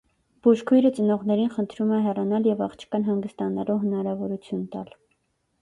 Բուժքույրը ծնողներին խնդրում է հեռանալ և աղջկան հանգստանալու հնարավորություն տալ։